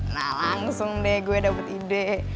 nah langsung deh gue dapet ide